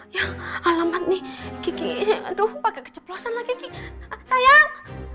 ya alamat nih gigi aduh pakai keceplosan lagi sayang